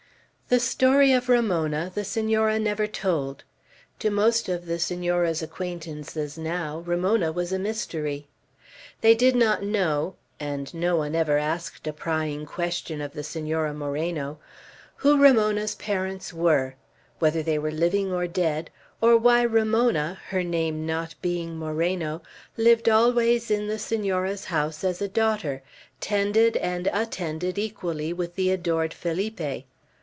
The story of Ramona the Senora never told. To most of the Senora's acquaintances now, Ramona was a mystery. They did not know and no one ever asked a prying question of the Senora Moreno who Ramona's parents were, whether they were living or dead, or why Ramona, her name not being Moreno, lived always in the Senora's house as a daughter, tended and attended equally with the adored Felipe.